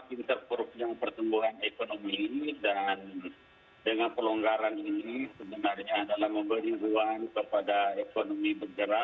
dan semakin terpuruk yang pertumbuhan ekonomi dan dengan pelonggaran ini sebenarnya adalah memberi ruang kepada ekonomi bergerak